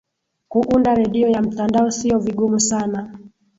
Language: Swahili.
kuunda redio ya mtandao siyo vigumu sana